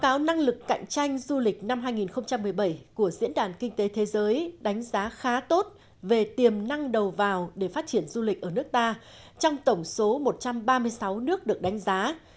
báo năng lực cạnh tranh du lịch năm hai nghìn một mươi bảy của diễn đàn kinh tế thế giới đánh giá khá tốt về tiềm năng đầu vào để phát triển du lịch ở nước ta trong tổng số một trăm ba mươi sáu nước được đánh giá